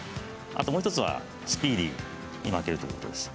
あともう一つはスピーディーにまけるということです